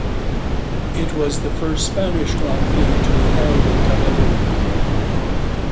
It was the first Spanish Grand Prix to be held at Catalunya.